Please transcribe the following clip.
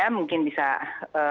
mungkin bisa berkata